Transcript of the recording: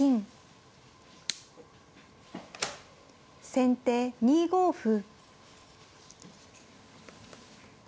先手２五歩。